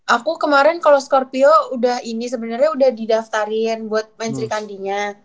aku kemarin kalo scorpio udah ini sebenernya udah didaftarin buat main sri kandinya